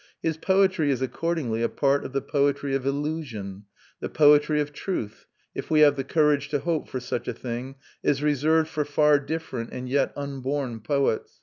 His poetry is accordingly a part of the poetry of illusion; the poetry of truth, if we have the courage to hope for such a thing, is reserved for far different and yet unborn poets.